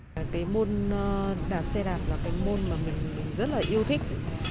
cái môn đạp xe đạp là cái môn mà mình rất là yêu thích